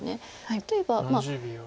例えば。